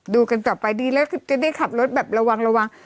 ดูกันต่อไปดีแล้วจะได้ขับรถระวัง